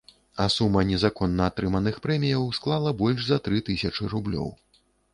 А сума незаконна атрыманых прэміяў склала больш за тры тысячы рублёў.